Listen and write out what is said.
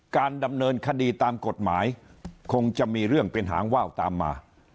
การดำเนินคดีตามกฎหมายคงจะมีเรื่องเป็นหางว่าวตามมา